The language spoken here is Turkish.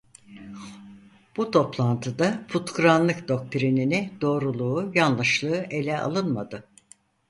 Bu toplantıda "putkıranlık" doktrinini doğruluğu yanlışlığı ele alınmadı.